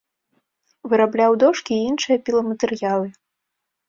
Вырабляў дошкі і іншыя піламатэрыялы.